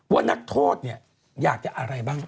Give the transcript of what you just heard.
ว่านักโทษเนี่ยอยากจะอะไรบ้าง